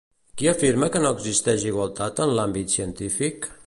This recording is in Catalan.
Qui afirma que no existeix igualtat en l'àmbit científic?